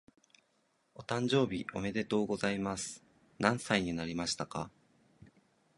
お誕生日おめでとうございます。何歳になりましたか？